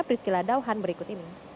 prisky ladauhan berikut